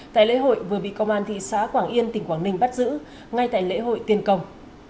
tại lễ hội vừa bị công an thị xã quảng yên tỉnh quảng ninh bắt giữ ngay tại lễ hội tiên công